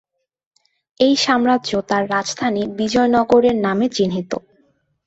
এই সাম্রাজ্য তার রাজধানী বিজয়নগরের নামে চিহ্নিত।